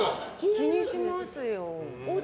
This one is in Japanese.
気にしますよ。